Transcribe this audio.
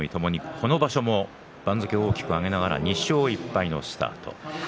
この場所番付を大きく上げながら２勝１敗のスタートです。